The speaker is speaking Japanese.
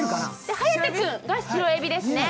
颯君が白えびですね。